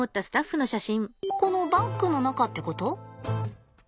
このバッグの中ってこと？